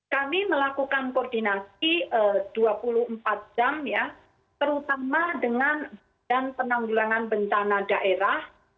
kami melakukan koordinasi dua puluh empat jam ya terutama dengan penanggulangan bencana daerah